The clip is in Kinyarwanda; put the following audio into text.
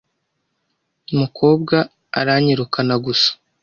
mukobwa aranyirukana gusa.